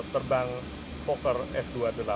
terbang poker f dua puluh delapan